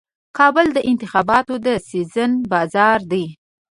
کابل د انتخاباتو د سیزن بازار دی.